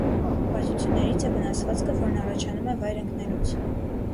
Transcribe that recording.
Բարդություններից է վնասվածքը, որն առաջանում է վայր ընկնելուց։